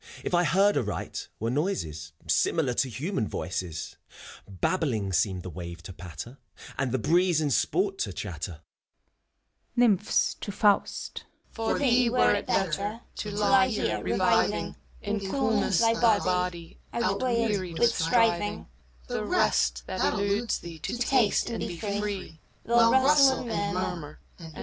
If I heard aright, were noises Similar to human voices. Babbling seemed the wave to patter, And the breeze in sport to chatter. NYMPHS {to Faust). For thee were it better To lie here, reviving In coolness thy body, Outwearied with striving, — The rest, that eludes thee. To taste, and be free : Well rustle and murmur.